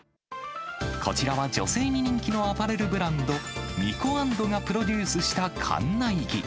こちらは女性に人気のアパレルブランド、ニコアンドがプロデュースした館内着。